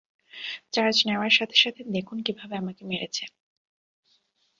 Charge নেওয়ার সাথে সাথে দেখুন কীভাবে আমাকে মেরেছে!